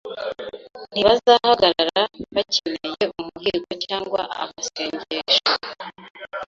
Ntibazahagarara bakeneye umuhigo cyangwa amasengesho